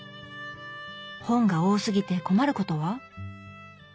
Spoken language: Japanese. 本が多すぎて困ることは？